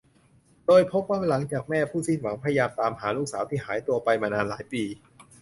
โดยพบว่าหลังจากแม่ผู้สิ้นหวังพยายามตามหาลูกสาวที่หายตัวไปมานานหลายปี